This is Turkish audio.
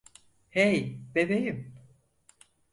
Hey, bebeğim.